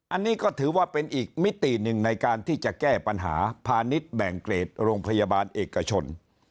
อันนี้ก็ถือว่าเป็นอีกมิติหนึ่งในการที่จะแก้ปัญหาพาณิชย์แบ่งเกรดโรงพยาบาลเอกชน